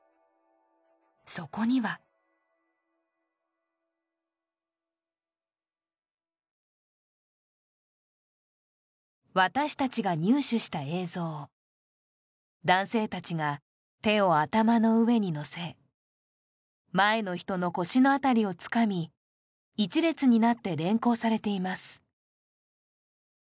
そこには私たちが入手した映像男性たちが手を頭の上にのせ前の人の腰のあたりをつかみ一列になって連行されています